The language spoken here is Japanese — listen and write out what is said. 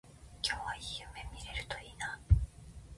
今日はいい夢見れるといいな